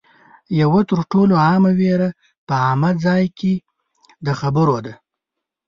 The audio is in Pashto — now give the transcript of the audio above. یوه تر ټولو عامه وېره په عامه ځای کې د خبرو ده